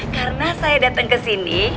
karena saya datang kesini